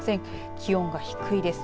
気温が低いです。